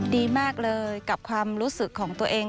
ดีมากเลยกับความรู้สึกของตัวเอง